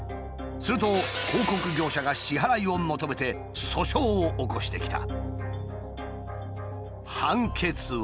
すると広告業者が支払いを求めて訴訟を起こしてきた。